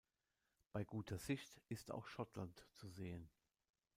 Bei guter Sicht ist auch Schottland zu sehen.